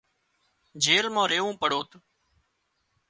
جيل مان ريوون پڙوت